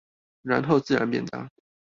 然後自然變大